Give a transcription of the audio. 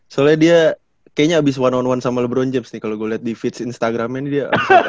soalnya dia kayaknya abis one on one sama labron james nih kalau gue liat di feeds instagramnya ini dia